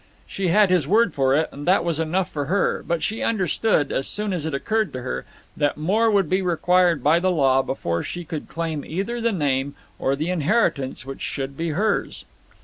She had his word for it, and that was enough for her; but she understood, as soon as it occurred to her, that more would be required by the law before she could claim either the name or the inheritance which should be hers.